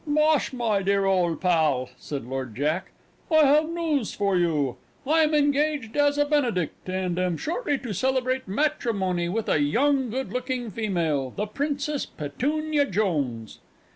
"Bhosh, my dear old pal," said Lord Jack, "I have news for you. I am engaged as a Benedict, and am shortly to celebrate matrimony with a young goodlooking female the Princess Petunia Jones."